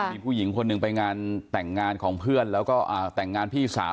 มีผู้หญิงคนหนึ่งไปงานแต่งงานของเพื่อนแล้วก็แต่งงานพี่สาว